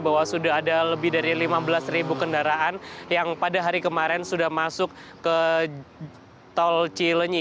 bahwa sudah ada lebih dari lima belas ribu kendaraan yang pada hari kemarin sudah masuk ke tol cilenyi